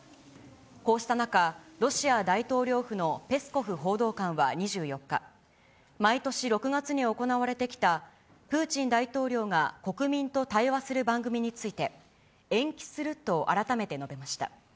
こうした中、ロシア大統領府のペスコフ報道官は２４日、毎年６月に行われてきた、プーチン大統領が国民と対話する番組について、延期すると改めて述べました。